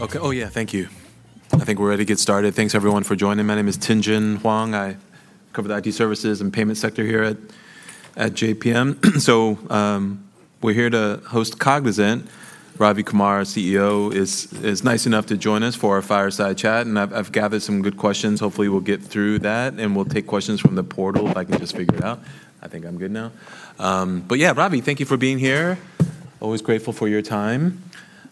Okay. Oh, yeah, thank you. I think we're ready to get started. Thanks, everyone, for joining. My name is Tien-tsin Huang. I cover the IT services and payment sector here at JPM. So, we're here to host Cognizant. Ravi Kumar S, our CEO, is nice enough to join us for our fireside chat, and I've gathered some good questions. Hopefully, we'll get through that, and we'll take questions from the portal if I can just figure it out. I think I'm good now. But yeah, Ravi, thank you for being here. Always grateful for your time.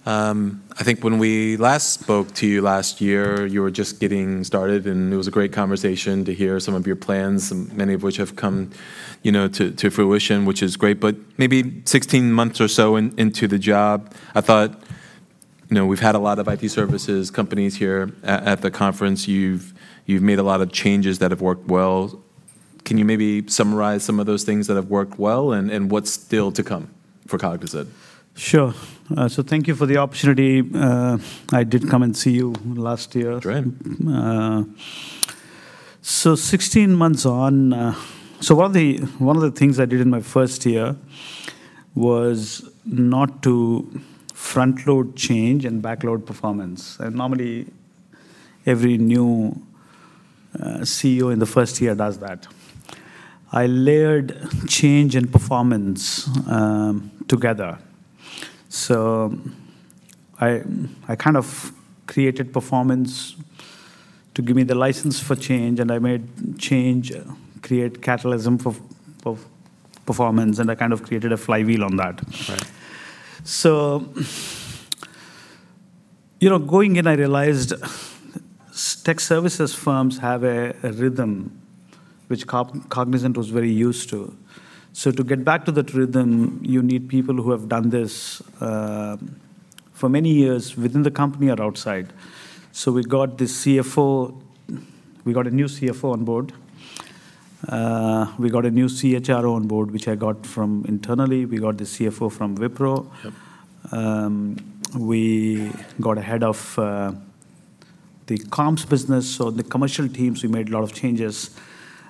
I think when we last spoke to you last year, you were just getting started, and it was a great conversation to hear some of your plans, and many of which have come, you know, to fruition, which is great, but maybe 16 months or so into the job, I thought, you know, we've had a lot of IT services companies here at the conference. You've made a lot of changes that have worked well. Can you maybe summarize some of those things that have worked well, and what's still to come for Cognizant? Sure. Thank you for the opportunity. I did come and see you last year. Great. So 16 months on, so one of the things I did in my first year was not to front-load change and back-load performance, and normally, every new CEO in the first year does that. I layered change and performance together. So I kind of created performance to give me the license for change, and I made change create catalyst of performance, and I kind of created a flywheel on that. Right. So, you know, going in, I realized tech services firms have a rhythm, which Cognizant was very used to. So to get back to that rhythm, you need people who have done this for many years within the company or outside. So we got the CFO. We got a new CFO on board. We got a new CHRO on board, which I got from internally. We got the CFO from Wipro. Yep. We got a head of the comms business, so the commercial teams, we made a lot of changes.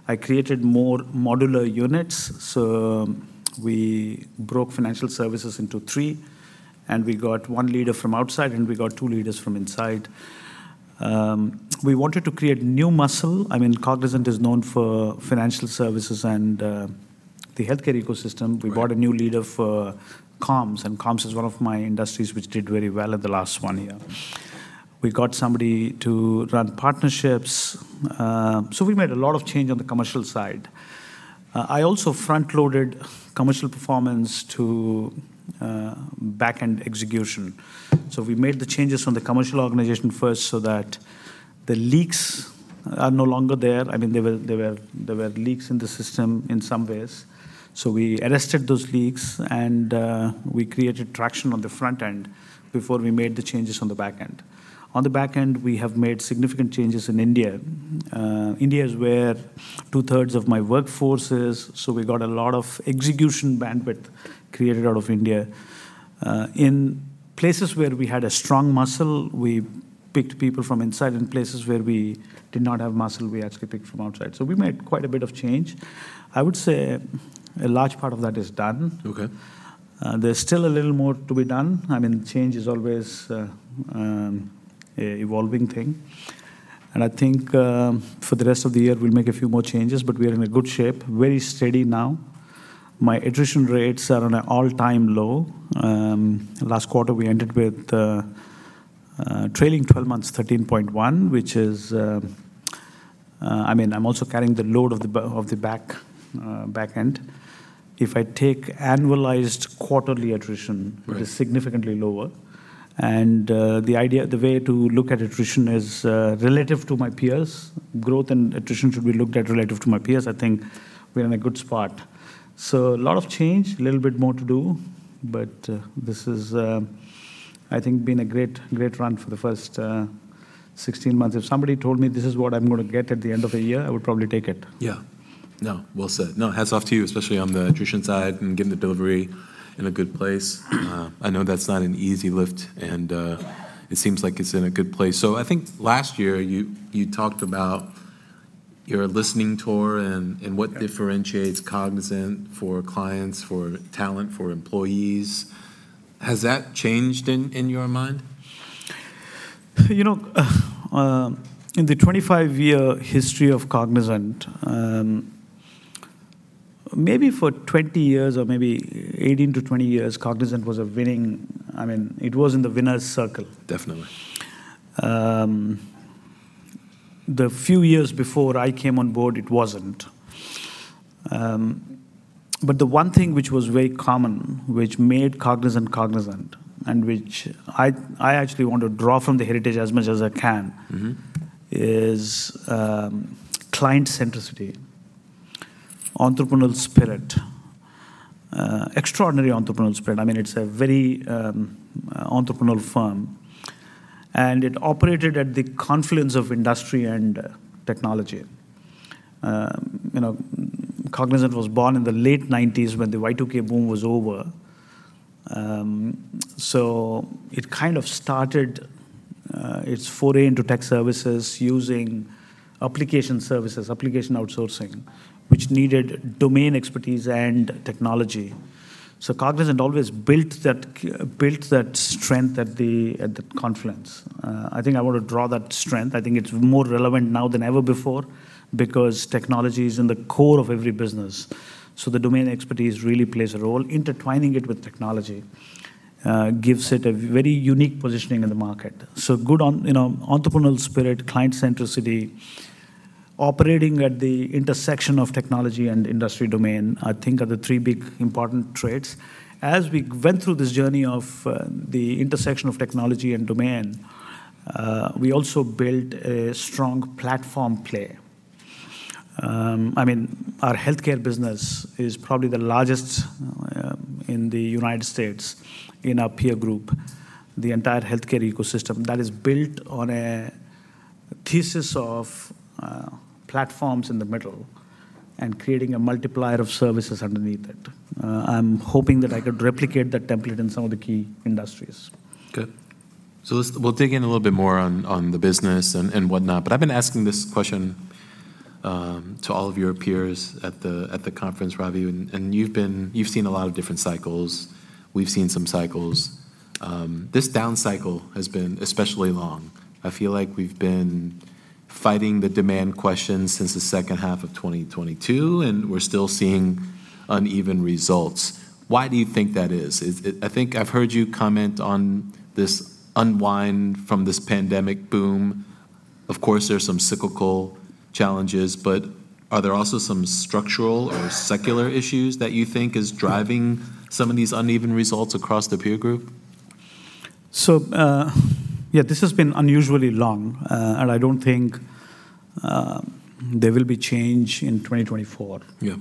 I created more modular units, so we broke financial services into three, and we got one leader from outside, and we got two leaders from inside. We wanted to create new muscle. I mean, Cognizant is known for financial services and the healthcare ecosystem. Right. We brought a new leader for comms, and comms is one of my industries which did very well in the last one year. We got somebody to run partnerships, so we made a lot of change on the commercial side. I also front-loaded commercial performance to back-end execution. So we made the changes from the commercial organization first so that the leaks are no longer there. I mean, there were, there were, there were leaks in the system in some ways. So we arrested those leaks, and we created traction on the front end before we made the changes on the back end. On the back end, we have made significant changes in India. India is where two-thirds of my workforce is, so we got a lot of execution bandwidth created out of India. In places where we had a strong muscle, we picked people from inside, and places where we did not have muscle, we actually picked from outside. So we made quite a bit of change. I would say a large part of that is done. Okay. There's still a little more to be done. I mean, change is always a evolving thing, and I think, for the rest of the year, we'll make a few more changes, but we are in a good shape, very steady now. My attrition rates are on an all-time low. Last quarter, we ended with trailing 12 months, 13.1, which is, I mean, I'm also carrying the load of the back end. If I take annualized quarterly attrition- Right -it is significantly lower, and the idea, the way to look at attrition is relative to my peers. Growth and attrition should be looked at relative to my peers. I think we're in a good spot. So a lot of change, a little bit more to do, but this is, I think, been a great, great run for the first 16 months. If somebody told me this is what I'm gonna get at the end of the year, I would probably take it. Yeah. No, well said. No, hats off to you, especially on the attrition side and getting the delivery in a good place. I know that's not an easy lift, and it seems like it's in a good place. So I think last year, you, you talked about your listening tour and and what differentiates Cognizant for clients, for talent, for employees? Has that changed in your mind? You know, in the 25-year history of Cognizant, maybe for 20 years or maybe 18-20 years, Cognizant was a winning, I mean, it was in the winners' circle. Definitely. The few years before I came on board, it wasn't. But the one thing which was very common, which made Cognizant, Cognizant, and which I, I actually want to draw from the heritage as much as I can- Mm-hmm -is, client centricity, entrepreneurial spirit, extraordinary entrepreneurial spirit. I mean, it's a very, entrepreneurial firm, and it operated at the confluence of industry and technology. You know, Cognizant was born in the late nineties when the Y2K boom was over. So it kind of started, its foray into tech services using application services, application outsourcing, which needed domain expertise and technology. So Cognizant always built that strength at the, at the confluence. I think I wanna draw that strength. I think it's more relevant now than ever before because technology is in the core of every business, so the domain expertise really plays a role. Intertwining it with technology, gives it a very unique positioning in the market. So good on, you know, entrepreneurial spirit, client centricity, operating at the intersection of technology and industry domain, I think are the three big, important traits. As we went through this journey of, the intersection of technology and domain, we also built a strong platform play. I mean, our healthcare business is probably the largest, in the United States in our peer group. The entire healthcare ecosystem, that is built on a thesis of, platforms in the middle and creating a multiplier of services underneath it. I'm hoping that I could replicate that template in some of the key industries. Good. So we'll dig in a little bit more on the business and whatnot, but I've been asking this question to all of your peers at the conference, Ravi, and you've been, you've seen a lot of different cycles. We've seen some cycles. This down cycle has been especially long. I feel like we've been fighting the demand question since the second half of 2022, and we're still seeing uneven results. Why do you think that is? I think I've heard you comment on this unwind from this pandemic boom. Of course, there's some cyclical challenges, but are there also some structural or secular issues that you think is driving some of these uneven results across the peer group? Yeah, this has been unusually long, and I don't think there will be change in 2024. Yeah.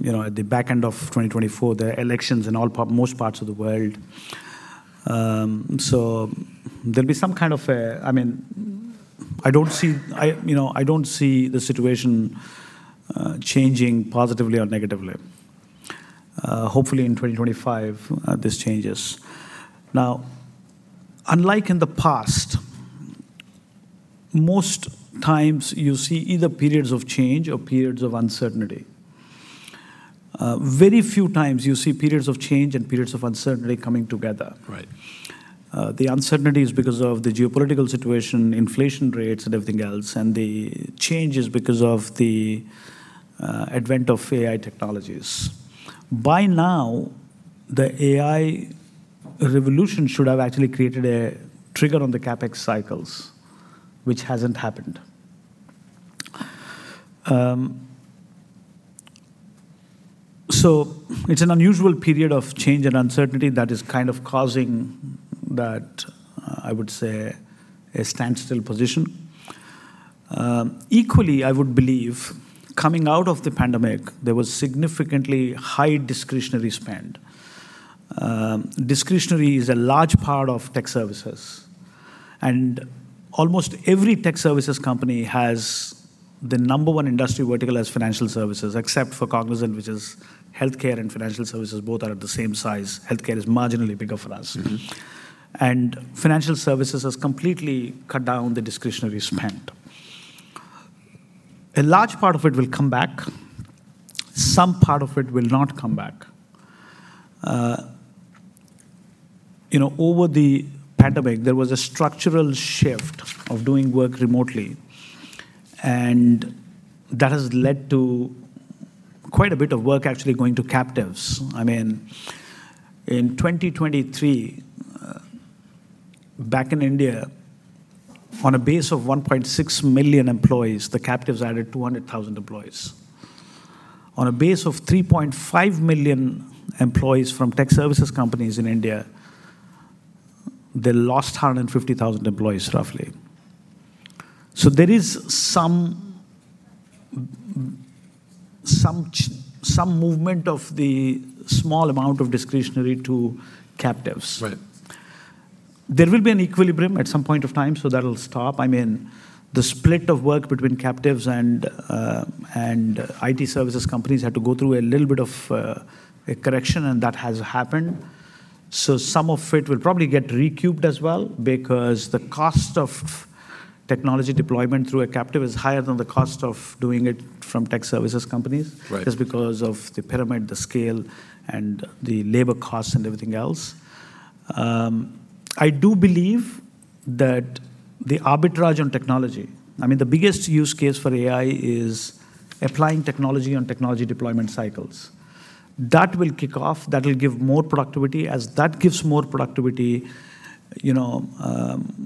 You know, at the back end of 2024, there are elections in most parts of the world. So there'll be some kind of a, I mean, I don't see, you know, I don't see the situation changing positively or negatively. Hopefully in 2025, this changes. Now, unlike in the past, most times you see either periods of change or periods of uncertainty. Very few times you see periods of change and periods of uncertainty coming together. Right. The uncertainty is because of the geopolitical situation, inflation rates, and everything else, and the change is because of the advent of AI technologies. By now, the AI revolution should have actually created a trigger on the CapEx cycles, which hasn't happened. So it's an unusual period of change and uncertainty that is kind of causing that, I would say, a standstill position. Equally, I would believe, coming out of the pandemic, there was significantly high discretionary spend. Discretionary is a large part of tech services, and almost every tech services company has the number one industry vertical as financial services, except for Cognizant, which is healthcare and financial services, both are at the same size. Healthcare is marginally bigger for us. Mm-hmm. Financial services has completely cut down the discretionary spend. A large part of it will come back. Some part of it will not come back. You know, over the pandemic, there was a structural shift of doing work remotely, and that has led to quite a bit of work actually going to captives. I mean, in 2023, back in India, on a base of 1.6 million employees, the captives added 200,000 employees. On a base of 3.5 million employees from tech services companies in India, they lost 150,000 employees, roughly. So there is some some movement of the small amount of discretionary to captives. Right. There will be an equilibrium at some point of time, so that will stop. I mean, the split of work between captives and IT services companies had to go through a little bit of a correction, and that has happened. So some of it will probably get recouped as well because the cost of technology deployment through a captive is higher than the cost of doing it from IT services companies. Right Just because of the pyramid, the scale, and the labor costs, and everything else. I do believe that the arbitrage on technology—I mean, the biggest use case for AI is applying technology on technology deployment cycles. That will kick off, that will give more productivity. As that gives more productivity, you know,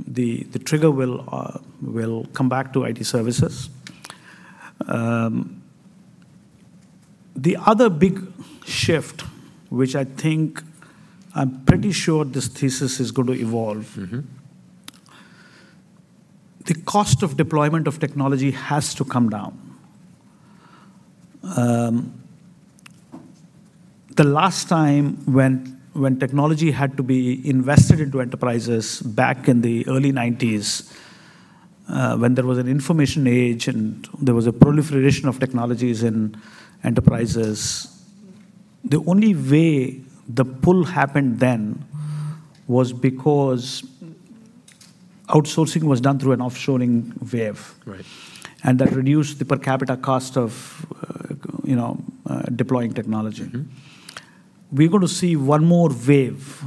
the trigger will come back to IT services. The other big shift, which I think I'm pretty sure this thesis is going to evolve. Mm-hmm The cost of deployment of technology has to come down. The last time when technology had to be invested into enterprises back in the early nineties, when there was an information age and there was a proliferation of technologies and enterprises, the only way the pull happened then was because outsourcing was done through an offshoring wave. Right. That reduced the per capita cost of, you know, deploying technology. Mm-hmm. We're going to see one more wave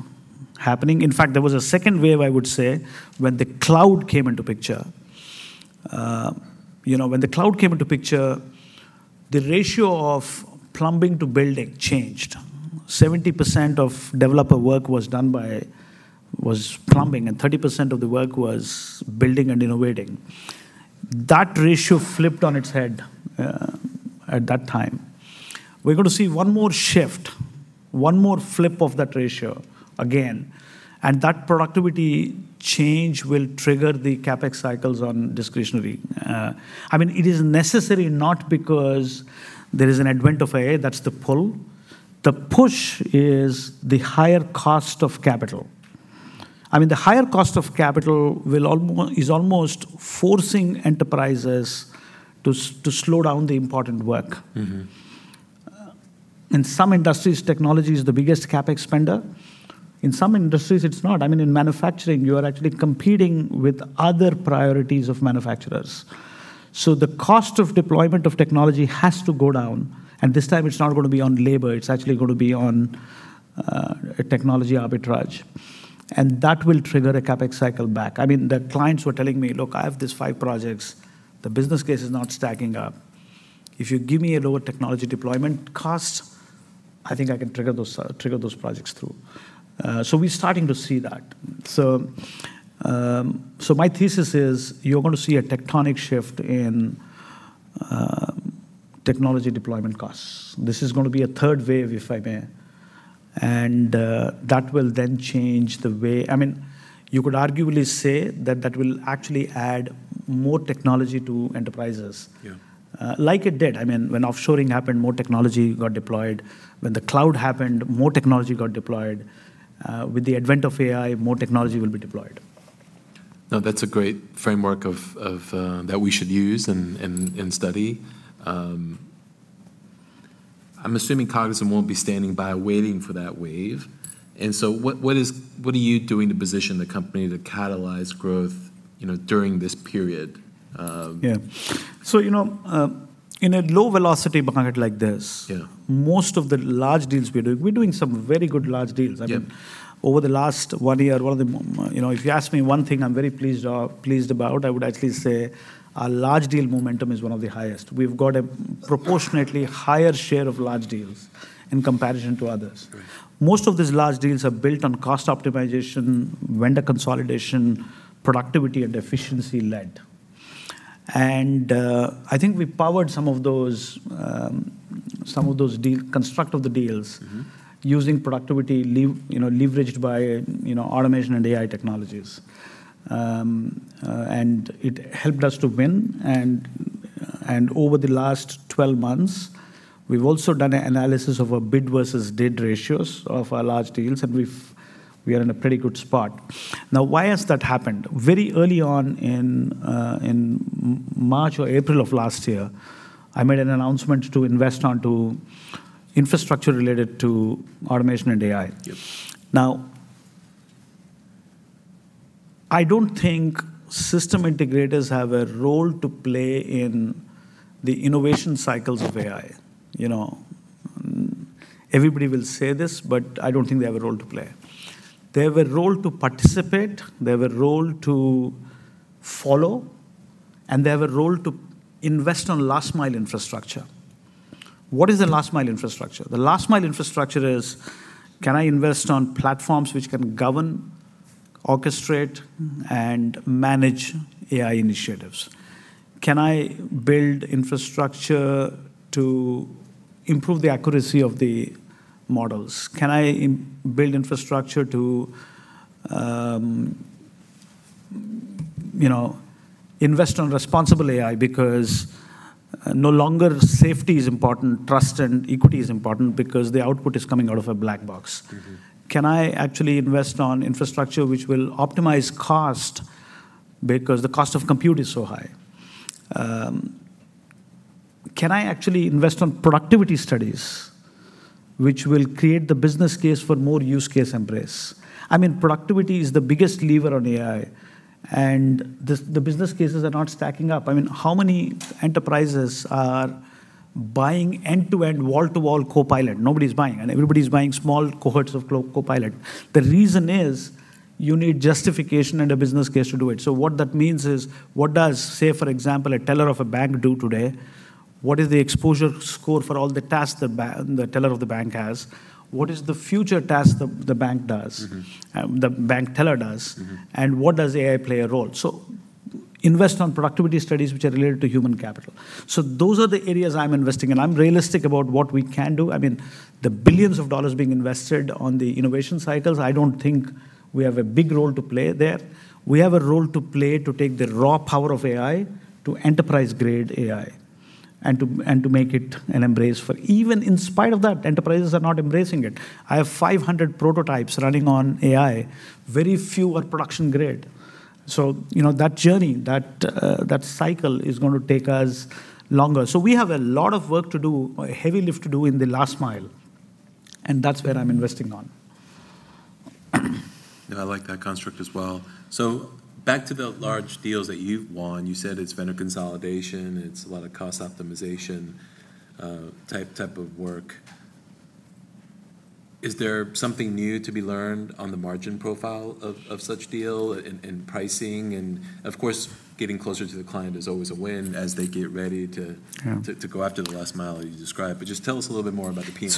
happening. In fact, there was a second wave, I would say, when the cloud came into picture. You know, when the cloud came into picture, the ratio of plumbing to building changed. 70% of developer work was done by, was plumbing, and 30% of the work was building and innovating. That ratio flipped on its head at that time. We're going to see one more shift, one more flip of that ratio again, and that productivity change will trigger the CapEx cycles on discretionary. I mean, it is necessarily not because there is an advent of AI, that's the pull. The push is the higher cost of capital. I mean, the higher cost of capital is almost forcing enterprises to slow down the important work. Mm-hmm. In some industries, technology is the biggest CapEx spender. In some industries, it's not. I mean, in manufacturing, you are actually competing with other priorities of manufacturers. So the cost of deployment of technology has to go down, and this time it's not gonna be on labor, it's actually gonna be on a technology arbitrage, and that will trigger a CapEx cycle back. I mean, the clients were telling me, "Look, I have these five projects. The business case is not stacking up. If you give me a lower technology deployment cost, I think I can trigger those projects through." So we're starting to see that. So, so my thesis is, you're going to see a tectonic shift in technology deployment costs. This is going to be a third wave, if I may, and that will then change the way, I mean, you could arguably say that that will actually add more technology to enterprises. Yeah. Like it did. I mean, when offshoring happened, more technology got deployed. When the cloud happened, more technology got deployed. With the advent of AI, more technology will be deployed. Now, that's a great framework that we should use and study. I'm assuming Cognizant won't be standing by waiting for that wave, and so what are you doing to position the company to catalyze growth, you know, during this period. Yeah. So, you know, in a low velocity market like this- Yeah -most of the large deals we're doing, we're doing some very good large deals. Yeah. I mean, over the last one year, one of the, you know, if you ask me one thing I'm very pleased or pleased about, I would actually say our large deal momentum is one of the highest. We've got a proportionately higher share of large deals in comparison to others. Right. Most of these large deals are built on cost optimization, vendor consolidation, productivity, and efficiency-led. And, I think we powered some of those deal construct of the deals using productivity leverage, you know, leveraged by, you know, automation and AI technologies. And it helped us to win, and over the last 12 months, we've also done an analysis of our bid versus did ratios of our large deals, and we've we are in a pretty good spot. Now, why has that happened? Very early on in March or April of last year, I made an announcement to invest onto infrastructure related to automation and AI. Yes. Now, I don't think system integrators have a role to play in the innovation cycles of AI. You know, everybody will say this, but I don't think they have a role to play. They have a role to participate, they have a role to follow, and they have a role to invest on last-mile infrastructure. What is the last-mile infrastructure? The last-mile infrastructure is, can I invest on platforms which can govern, orchestrate, and manage AI initiatives? Can I build infrastructure to improve the accuracy of the models? Can I build infrastructure to, you know, invest on responsible AI, because, no longer safety is important, trust and equity is important because the output is coming out of a black box? Mm-hmm. Can I actually invest on infrastructure which will optimize cost because the cost of compute is so high? Can I actually invest on productivity studies which will create the business case for more use case embrace? I mean, productivity is the biggest lever on AI, and the business cases are not stacking up. I mean, how many enterprises are buying end-to-end, wall-to-wall Copilot? Nobody's buying, and everybody's buying small cohorts of Copilot. The reason is, you need justification and a business case to do it. So what that means is, what does, say, for example, a teller of a bank do today? What is the exposure score for all the tasks the teller of the bank has? What is the future task the bank does the bank teller does? Mm-hmm. What does AI play a role? So invest on productivity studies which are related to human capital. So those are the areas I'm investing in. I'm realistic about what we can do. I mean, the $ billions being invested on the innovation cycles, I don't think we have a big role to play there. We have a role to play to take the raw power of AI to enterprise-grade AI, and to, and to make it an embrace for. Even in spite of that, enterprises are not embracing it. I have 500 prototypes running on AI, very few are production grade. So, you know, that journey, that, that cycle is going to take us longer. So we have a lot of work to do, a heavy lift to do in the last mile, and that's where I'm investing on. Yeah, I like that construct as well. So back to the large deals that you've won. You said it's vendor consolidation, it's a lot of cost optimization, type of work. Is there something new to be learned on the margin profile of such deal in pricing? And of course, getting closer to the client is always a win as they get ready to- Yeah -to go after the last mile you described. But just tell us a little bit more about the piece.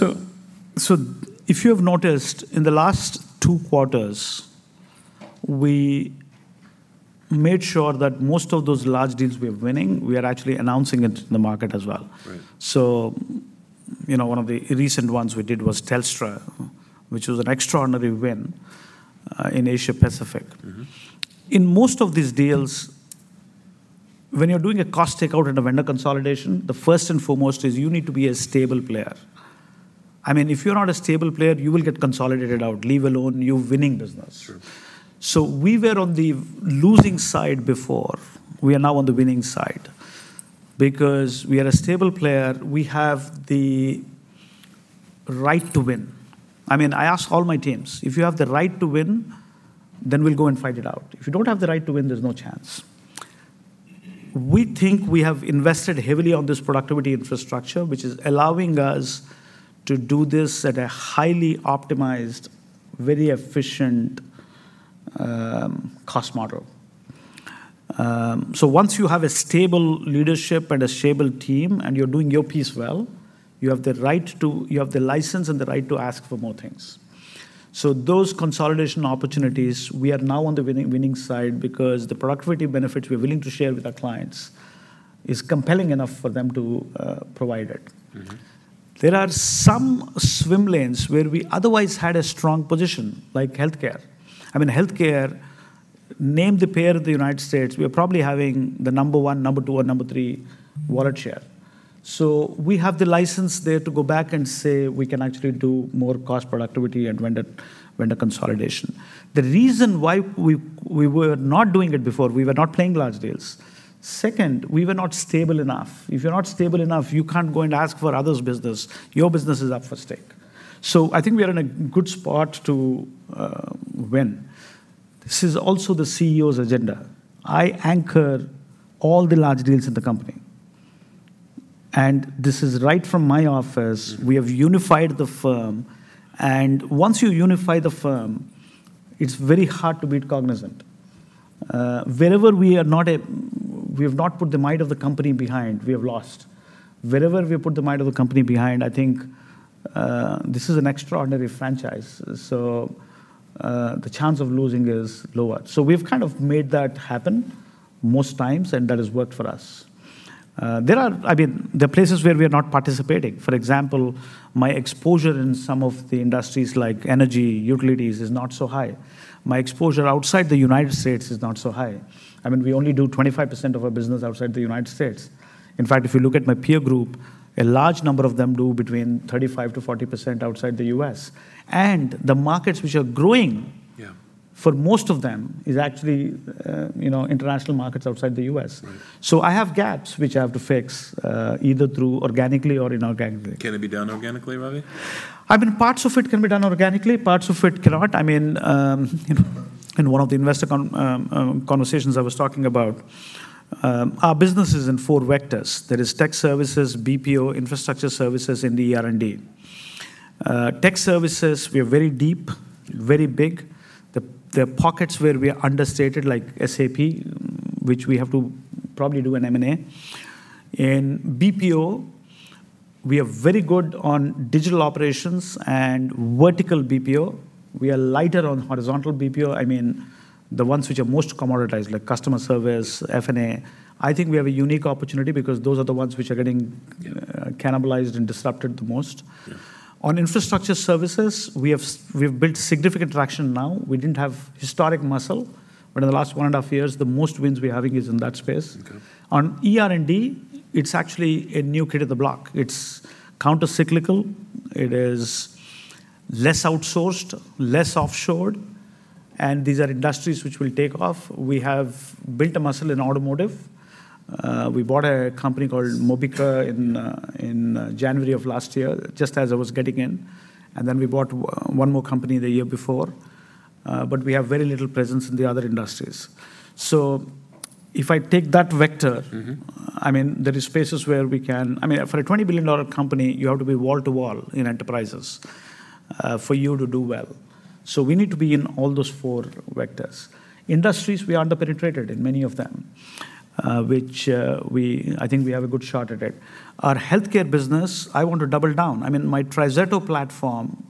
So, if you have noticed, in the last two quarters, we made sure that most of those large deals we are winning, we are actually announcing it in the market as well. Right. So, you know, one of the recent ones we did was Telstra, which was an extraordinary win in Asia Pacific. Mm-hmm. In most of these deals, when you're doing a cost takeout and a vendor consolidation, the first and foremost is you need to be a stable player. I mean, if you're not a stable player, you will get consolidated out, let alone you winning business. Sure. So we were on the losing side before. We are now on the winning side. Because we are a stable player, we have the right to win. I mean, I ask all my teams, "If you have the right to win, then we'll go and fight it out. If you don't have the right to win, there's no chance." We think we have invested heavily on this productivity infrastructure, which is allowing us to do this at a highly optimized, very efficient, cost model. So once you have a stable leadership and a stable team, and you're doing your piece well, you have the right to, you have the license and the right to ask for more things. So those consolidation opportunities, we are now on the winning, winning side because the productivity benefits we're willing to share with our clients is compelling enough for them to provide it. Mm-hmm. There are some swim lanes where we otherwise had a strong position, like healthcare. I mean, healthcare, name the payer of the United States, we are probably having the number one, number two, or number three market share. So we have the license there to go back and say we can actually do more cost productivity and vendor, vendor consolidation. The reason why we, we were not doing it before, we were not playing large deals. Second, we were not stable enough. If you're not stable enough, you can't go and ask for others' business. Your business is up for stake. So I think we are in a good spot to win. This is also the CEO's agenda. I anchor all the large deals in the company, and this is right from my office. We have unified the firm, and once you unify the firm, it's very hard to beat Cognizant. Wherever we are not, we have not put the might of the company behind, we have lost. Wherever we put the might of the company behind, I think, this is an extraordinary franchise, so, the chance of losing is lower. So we've kind of made that happen most times, and that has worked for us. There are, I mean, there are places where we are not participating. For example, my exposure in some of the industries like energy, utilities, is not so high. My exposure outside the United States is not so high. I mean, we only do 25% of our business outside the United States. In fact, if you look at my peer group, a large number of them do between 35%-40% outside the U.S. And the markets which are growing- Yeah -for most of them is actually, you know, international markets outside the U.S. Right. So I have gaps which I have to fix, either through organically or inorganically. Can it be done organically, Ravi? I mean, parts of it can be done organically, parts of it cannot. I mean, in one of the investor con, conversations I was talking about, our business is in four vectors. There is tech services, BPO, infrastructure services, and ER&D. Tech services, we are very deep, very big. There are pockets where we are understated, like SAP, which we have to probably do an M&A. In BPO, we are very good on digital operations and vertical BPO. We are lighter on horizontal BPO. I mean, the ones which are most commoditized, like customer service, F&A. I think we have a unique opportunity because those are the ones which are getting cannibalized and disrupted the most. Yeah. On infrastructure services, we've built significant traction now. We didn't have historic muscle, but in the last one and a half years, the most wins we're having is in that space. Okay. On ER&D, it's actually a new kid on the block. It's countercyclical, it is less outsourced, less offshored, and these are industries which will take off. We have built a muscle in automotive. We bought a company called Mobica in January of last year, just as I was getting in, and then we bought one more company the year before. But we have very little presence in the other industries. So if I take that vector- Mm-hmm -I mean, there is spaces where we can, I mean, for a $20 billion company, you have to be wall to wall in enterprises, for you to do well. So we need to be in all those four vectors. Industries, we are under-penetrated in many of them, which, we, I think we have a good shot at it. Our healthcare business, I want to double down. I mean, my TriZetto platform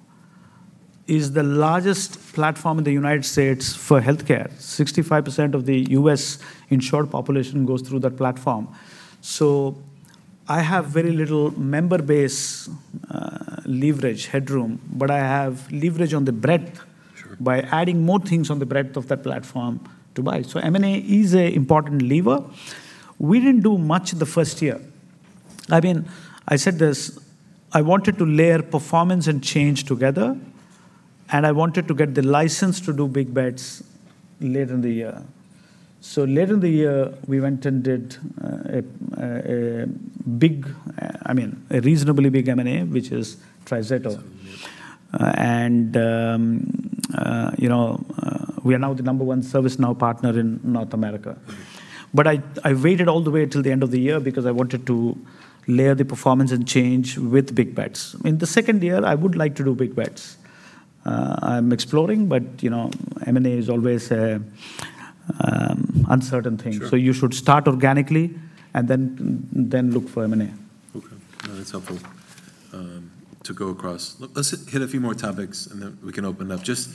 is the largest platform in the United States for healthcare. 65% of the U.S. insured population goes through that platform. So I have very little member base leverage headroom, but I have leverage on the breadth-Sure.-by adding more things on the breadth of that platform to buy. So M&A is a important lever. We didn't do much in the first year. I mean, I said this, I wanted to layer performance and change together, and I wanted to get the license to do big bets later in the year. So later in the year, we went and did, I mean, a reasonably big M&A, which is Thirdera. Absolutely. You know, we are now the number one ServiceNow partner in North America. But I waited all the way till the end of the year because I wanted to layer the performance and change with big bets. In the second year, I would like to do big bets. I'm exploring, but you know, M&A is always a uncertain thing. Sure. You should start organically, and then look for M&A. Okay. No, that's helpful to go across. Let's hit a few more topics, and then we can open it up. Just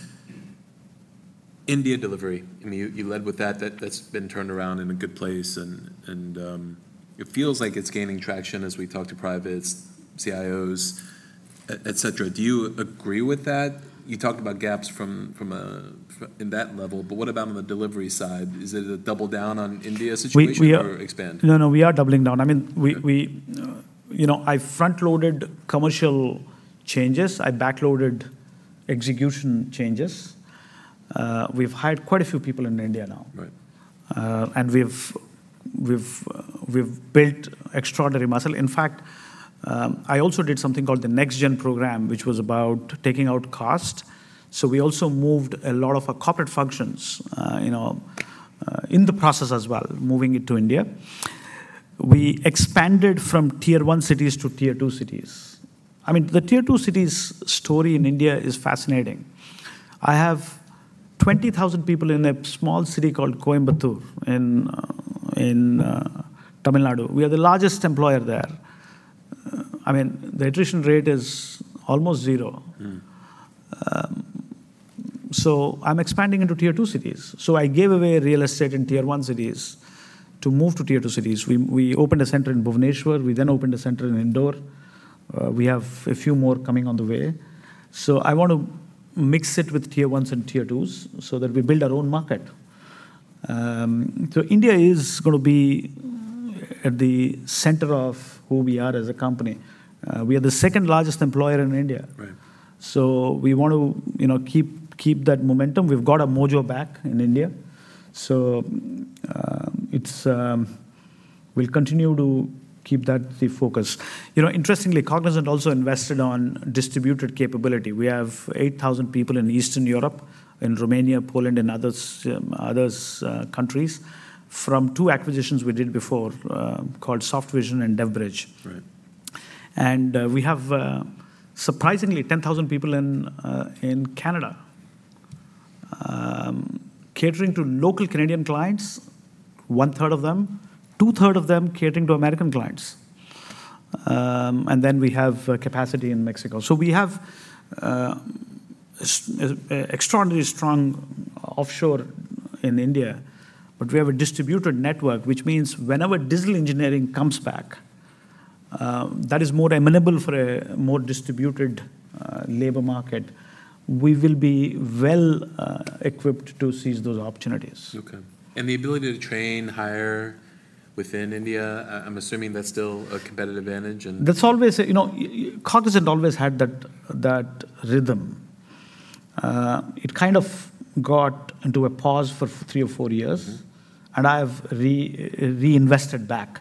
India delivery, I mean, you led with that, that's been turned around in a good place and it feels like it's gaining traction as we talk to privates, CIOs, et cetera. Do you agree with that? You talked about gaps from in that level, but what about on the delivery side? Is it a double down on India situation or expand? No, no, we are doubling down. I mean, we, you know, I front-loaded commercial changes. I back-loaded execution changes. We've hired quite a few people in India now. Right. And we've built extraordinary muscle. In fact, I also did something called the NextGen program, which was about taking out cost. So we also moved a lot of our corporate functions, you know, in the process as well, moving it to India. We expanded from Tier 1 cities to Tier 2 cities. I mean, the Tier 2 cities story in India is fascinating. I have 20,000 people in a small city called Coimbatore in Tamil Nadu. We are the largest employer there. I mean, the attrition rate is almost zero. Mm. So I'm expanding into Tier 2 cities. So I gave away real estate in Tier 1 cities to move to Tier 2 cities. We opened a center in Bhubaneswar. We then opened a center in Indore. We have a few more coming on the way. So I want to mix it with Tier 1s and Tier 2s so that we build our own market. So India is gonna be at the center of who we are as a company. We are the second largest employer in India. Right. So we want to, you know, keep that momentum. We've got our mojo back in India, so it's we'll continue to keep that the focus. You know, interestingly, Cognizant also invested on distributed capability. We have 8,000 people in Eastern Europe, in Romania, Poland, and other countries, from two acquisitions we did before, called Softvision and Devbridge. Right. We have, surprisingly, 10,000 people in Canada, catering to local Canadian clients, one third of them, two third of them catering to American clients. And then we have capacity in Mexico. So we have extraordinarily strong offshore in India, but we have a distributed network, which means whenever digital engineering comes back, that is more amenable for a more distributed labor market, we will be well equipped to seize those opportunities. Okay. The ability to train, hire within India, I'm assuming that's still a competitive advantage. That's always, you know, Cognizant always had that, that rhythm. It kind of got into a pause for three or four years and I have reinvested back.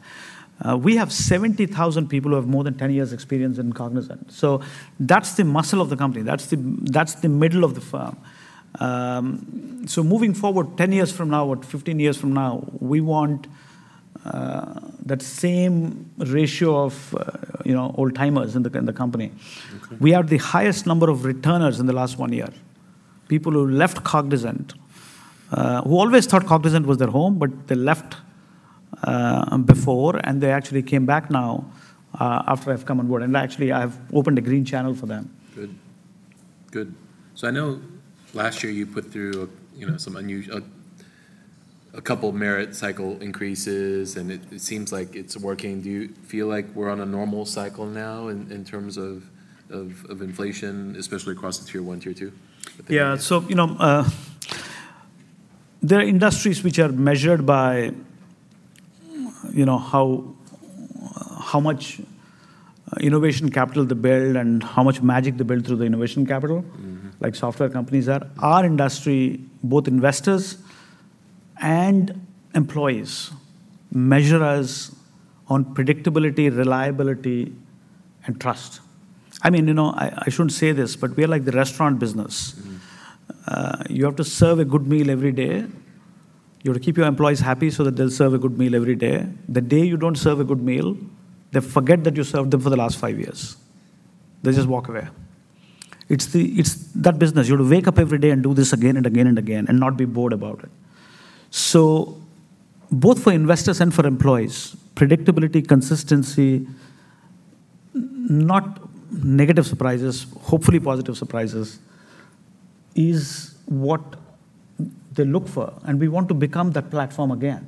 We have 70,000 people who have more than 10 years experience in Cognizant, so that's the muscle of the company. That's the, that's the middle of the firm. So moving forward, 10 years from now or 15 years from now, we want that same ratio of, you know, old-timers in the, in the company. Okay. We have the highest number of returners in the last one year. People who left Cognizant, who always thought Cognizant was their home, but they left, before, and they actually came back now, after I've come on board, and actually, I've opened a green channel for them. Good. Good. So I know last year you put through, you know, some unusual, a couple merit cycle increases, and it seems like it's working. Do you feel like we're on a normal cycle now in terms of inflation, especially across the Tier 1, Tier 2? Yeah. So, you know, there are industries which are measured by, you know, how much innovation capital they build and how much magic they build through the innovation capital like software companies are. Our industry, both investors and employees, measure us on predictability, reliability, and trust. I mean, you know, I shouldn't say this, but we are like the restaurant business. Mm-hmm. You have to serve a good meal every day. You have to keep your employees happy so that they'll serve a good meal every day. The day you don't serve a good meal, they forget that you served them for the last five years. They just walk away. It's that business. You have to wake up every day and do this again and again and again, and not be bored about it. So both for investors and for employees, predictability, consistency, not negative surprises, hopefully positive surprises, is what they look for, and we want to become that platform again.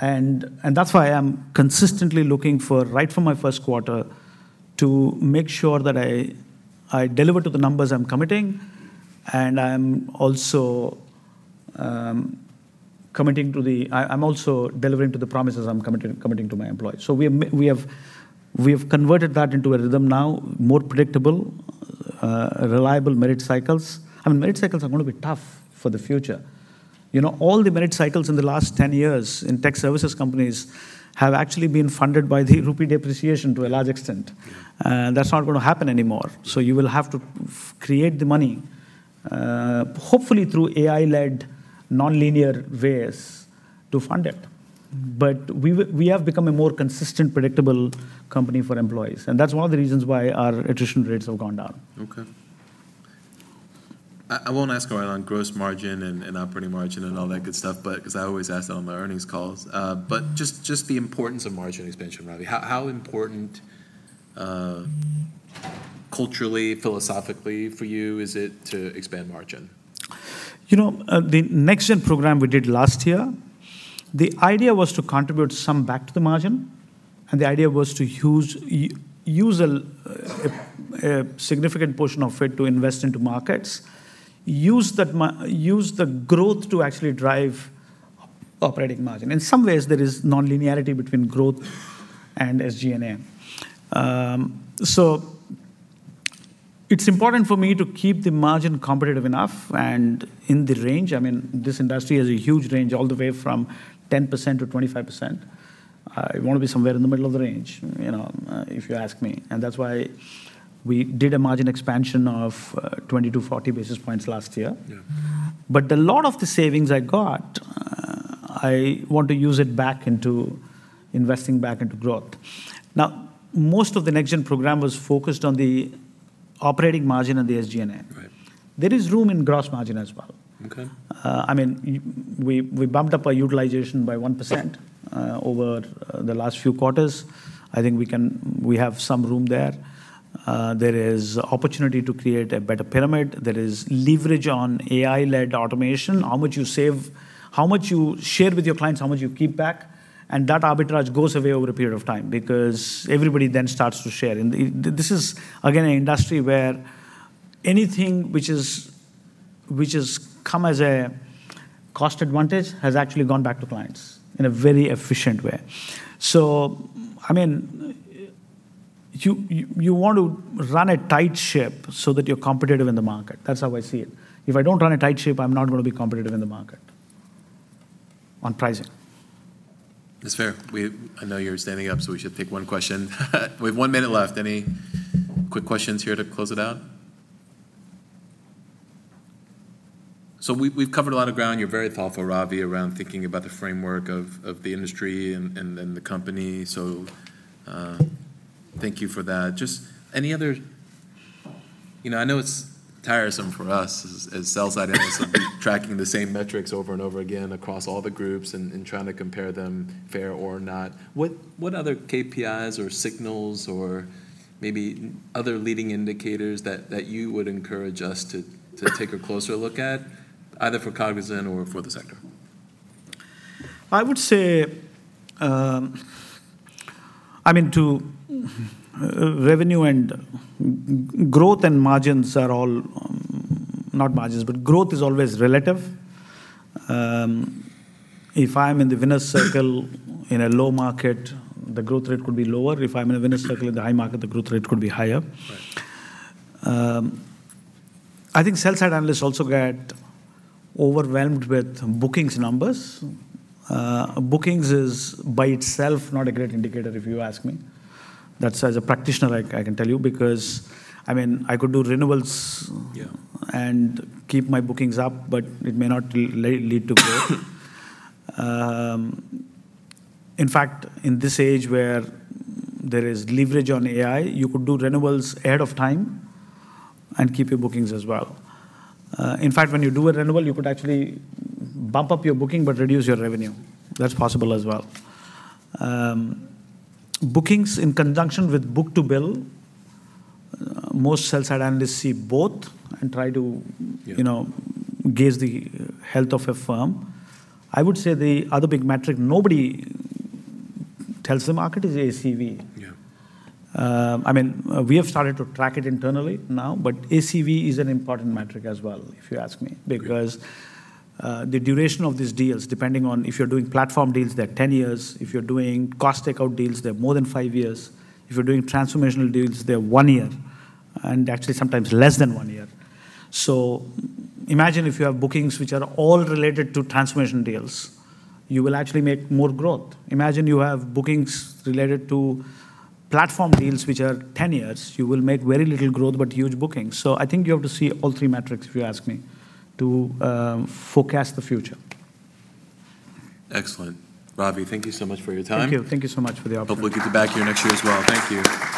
And that's why I'm consistently looking for, right from my first quarter, to make sure that I deliver to the numbers I'm committing, and I'm also committing to the. I'm also delivering to the promises I'm committing to my employees. So we have, we have converted that into a rhythm now, more predictable, reliable merit cycles. I mean, merit cycles are gonna be tough for the future. You know, all the merit cycles in the last 10 years in tech services companies have actually been funded by the rupee depreciation to a large extent. That's not gonna happen anymore, so you will have to create the money, hopefully through AI-led nonlinear ways to fund it. But we have become a more consistent, predictable company for employees, and that's one of the reasons why our attrition rates have gone down. Okay. I won't ask around on gross margin and operating margin and all that good stuff, but 'cause I always ask that on the earnings calls. But just the importance of margin expansion, Ravi. How important, culturally, philosophically for you is it to expand margin? You know, the NextGen program we did last year, the idea was to contribute some back to the margin, and the idea was to use a significant portion of it to invest into markets. Use the growth to actually drive operating margin. In some ways, there is nonlinearity between growth and SG&A. So it's important for me to keep the margin competitive enough and in the range. I mean, this industry has a huge range, all the way from 10% to 25%. You wanna be somewhere in the middle of the range, you know, if you ask me, and that's why we did a margin expansion of 20-40 basis points last year. Yeah. A lot of the savings I got, I want to use it back into investing back into growth. Now, most of the NextGen program was focused on the operating margin and the SG&A. Right. There is room in gross margin as well. Okay. I mean, we bumped up our utilization by 1%, over the last few quarters. I think we can, we have some room there. There is opportunity to create a better pyramid. There is leverage on AI-led automation, how much you save, how much you share with your clients, how much you keep back, and that arbitrage goes away over a period of time because everybody then starts to share. And this is again, an industry where anything which has come as a cost advantage, has actually gone back to clients in a very efficient way. So I mean, you want to run a tight ship so that you're competitive in the market. That's how I see it. If I don't run a tight ship, I'm not gonna be competitive in the market on pricing. It's fair. I know you're standing up, so we should take one question. We have one minute left. Any quick questions here to close it out? So, we've covered a lot of ground, and you're very thoughtful, Ravi, around thinking about the framework of the industry and then the company. So, thank you for that. Just any other, you know, I know it's tiresome for us as sell-side analysts to be tracking the same metrics over and over again across all the groups and trying to compare them, fair or not. What other KPIs or signals or maybe other leading indicators that you would encourage us to take a closer look at, either for Cognizant or for the sector? I would say, I mean to revenue and growth and margins are all. Not margins, but growth is always relative. If I'm in the winner's circle in a low market, the growth rate could be lower. If I'm in a winner's circle in the high market, the growth rate could be higher. Right. I think sell-side analysts also get overwhelmed with bookings numbers. Bookings is by itself not a great indicator, if you ask me. That's as a practitioner, I can, I can tell you because, I mean, I could do renewals- Yeah -and keep my bookings up, but it may not lead to growth. In fact, in this age where there is leverage on AI, you could do renewals ahead of time and keep your bookings as well. In fact, when you do a renewal, you could actually bump up your booking but reduce your revenue. That's possible as well. Bookings in conjunction with book to bill, most sell-side analysts see both and try to- Yeah -you know, gauge the health of a firm. I would say the other big metric nobody tells the market is ACV. Yeah. I mean, we have started to track it internally now, but ACV is an important metric as well, if you ask me. Yeah. Because, the duration of these deals, depending on if you're doing platform deals, they're 10 years. If you're doing cost takeout deals, they're more than five years. If you're doing transformational deals, they're one year, and actually sometimes less than one year. So imagine if you have bookings which are all related to transformation deals, you will actually make more growth. Imagine you have bookings related to platform deals which are 10 years, you will make very little growth but huge bookings. So I think you have to see all three metrics, if you ask me, to forecast the future. Excellent. Ravi, thank you so much for your time. Thank you. Thank you so much for the opportunity. Hope we'll get you back here next year as well. Thank you.